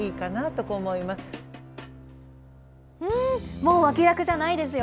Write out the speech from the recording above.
もう脇役じゃないですよ。